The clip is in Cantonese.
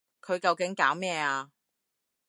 佢究竟搞咩啊？